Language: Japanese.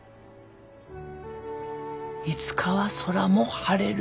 いつかは空も晴れる。